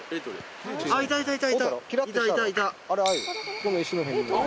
この石の辺にいる。